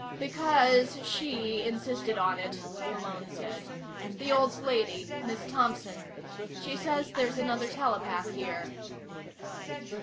"Because she insisted on it," Malone said. "The old lady. Miss Thompson. She says there's another telepath here."